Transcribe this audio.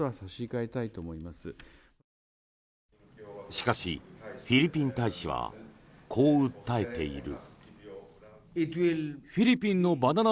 しかし、フィリピン大使はこう訴えている。